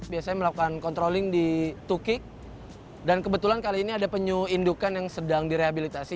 biasanya melakukan controlling di tukik dan kebetulan kali ini ada penyu indukan yang sedang direhabilitasi